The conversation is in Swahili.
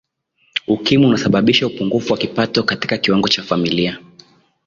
ukimwi unasababisha upungufu wa kipato Katika kiwango cha familia